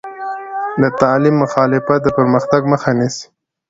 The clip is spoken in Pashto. د تعلیم مخالفت د پرمختګ مخه نیسي.